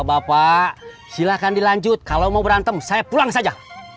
bapak silakan dilanjut kalau mau berantem saya pulang saja